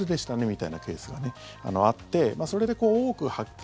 みたいなケースがあってそれで多く発見